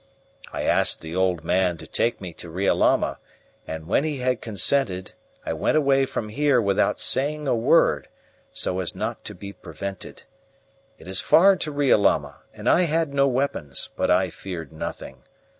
I asked the old man to take me to Riolama; and when he had consented I went away from here without saying a word, so as not to be prevented. It is far to Riolama, and I had no weapons; but I feared nothing.